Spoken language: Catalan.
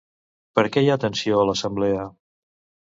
Per què hi ha tensió a l'assemblea?